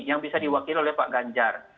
yang bisa diwakili oleh pak ganjar